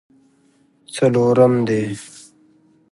څلورم دی.